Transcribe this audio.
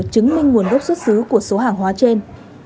chứng minh nguồn gốc xuất xứ của số hàng hóa trên